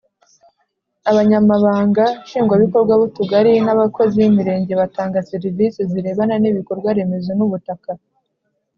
abanyamabanga nshingwabikorwa b’utugari n’abakozi b’imirenge batanga serivisi zirebana n’ibikorwa remezo n’ubutaka;